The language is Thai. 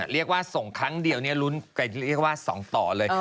เรียกว่าส่งครั้งเดี๋ยวเรียกว่ารุ่นผลูกไปสองต่อเลย